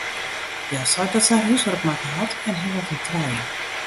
Hja seit dat se har húswurk makke hat en hellet in trije.